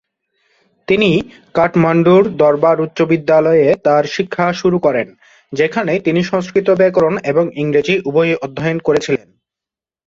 তিনি কাঠমান্ডুর দরবার উচ্চ বিদ্যালয়ে তার শিক্ষা শুরু করেন, যেখানে তিনি সংস্কৃত ব্যাকরণ এবং ইংরেজি উভয়ই অধ্যয়ন করেছিলেন।